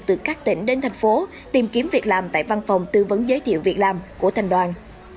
từ các tỉnh đến thành phố tìm kiếm việc làm tại văn phòng tư vấn giới thiệu việc làm của thành đoàn